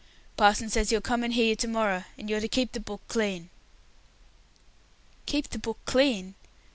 "Parson says he'll come and hear you to morrer, and you're to keep the book clean." "Keep the book clean!"